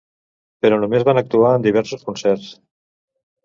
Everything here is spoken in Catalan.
Però només van actuar en diversos concerts.